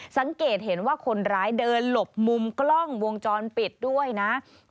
สังเกตเห็นว่าคนร้ายเดินหลบมุมกล้องวงจรปิดด้วยนะ